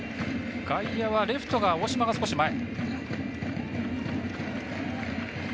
外野はレフト大島が少し前。